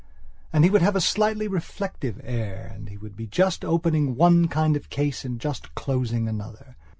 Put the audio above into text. And he would have a slightly reflective air and he would be just opening one kind of case and just closing another.